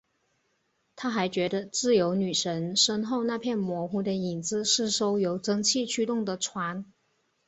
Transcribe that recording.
他还觉得自由女神身后那片模糊的影子是艘由蒸汽驱动的船。